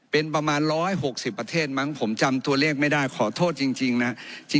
เป็นประมาณ๑๖๐ประเทศมั้งผมจำตัวเลขไม่ได้ขอโทษจริงนะ